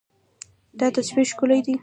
دا تصویر ښکلی دی.